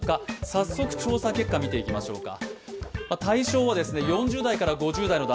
早速調査結果、見ていきましょうか。